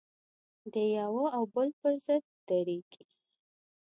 د یوه او بل پر ضد درېږي.